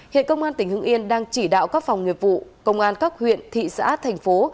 hiện công an tỉnh hưng yên đang chỉ đạo các phòng nghiệp vụ công an các huyện thị xã thành phố